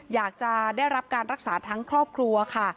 อยากจะได้รับการรักษาทั้งครอบครัวค่ะ